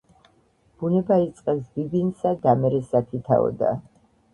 ბუნება იწყებს ბიბინსა, და მერე სათითაოდა